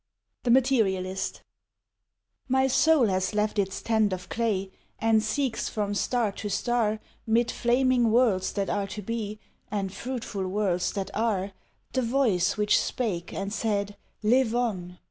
The Materialist MY soul has left its tent of clay And seeks from star to star, 'Mid flaming worlds that are to be, And fruitful worlds that are, The Voice which spake and said "Live on!"